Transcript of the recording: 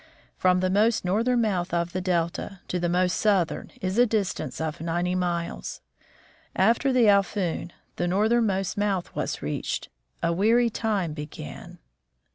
From the most northern mouth of the delta to the most southern is a distance of ninety miles. After the Alphoon, the northernmost mouth, was reached, a weary time began.